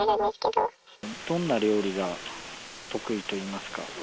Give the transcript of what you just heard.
どんな料理が得意といいますか。